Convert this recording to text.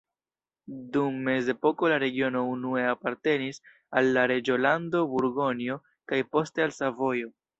Dum mezepoko la regiono unue apartenis al la reĝolando Burgonjo kaj poste al Savojo.